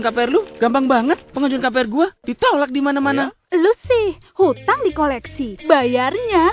kpr lu gampang banget pengajuan kpr gua ditolak dimana mana lu sih hutang di koleksi bayarnya